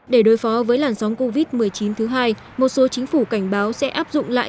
để đối phó với làn sóng covid một mươi chín thứ hai một số chính phủ cảnh báo sẽ áp dụng lại